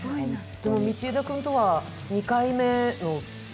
でも道枝君とは２回目の？